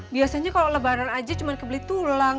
biasanya kalo lebaran aja cuman kebeli tulang